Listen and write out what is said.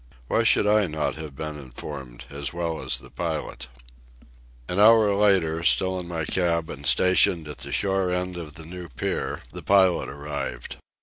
Why should I not have been informed as well as the pilot? An hour later, still in my cab and stationed at the shore end of the new pier, the pilot arrived.